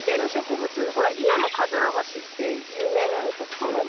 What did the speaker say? ほら祖谷のかずら橋って有名なの徳島で。